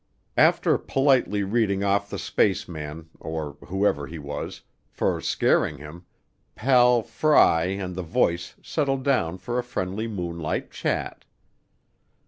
After politely reading off the spaceman, or whoever he was, for scaring him, pal Fry and the voice settled down for a friendly moonlight chat.